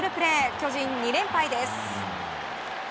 巨人、２連敗です。